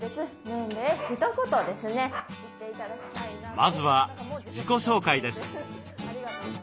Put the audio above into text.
まずは自己紹介です。